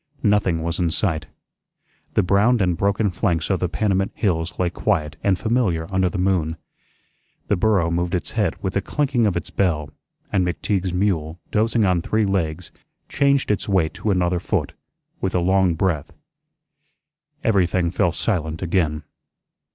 Nothing was in sight. The browned and broken flanks of the Panamint hills lay quiet and familiar under the moon. The burro moved its head with a clinking of its bell; and McTeagues mule, dozing on three legs, changed its weight to another foot, with a long breath. Everything fell silent again.